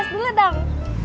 kas dulu dong